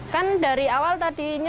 kan dari awal tadinya